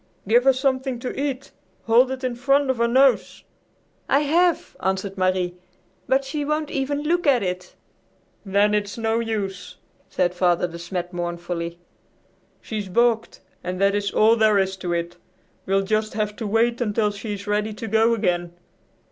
"Give her something to eat. Hold it in front of her nose." "I have," answered Marie, "but she won't even look at it." "Then it's no use," said Father De Smet mournfully. "She's balked and that is all there is to it. We'll just have to wait until she is ready to go again.